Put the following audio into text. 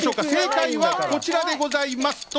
正解はこちらでございます。